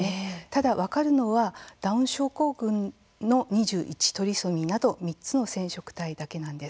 ただ分かるのは、ダウン症候群の２１トリソミーなど３つの染色体だけなんです。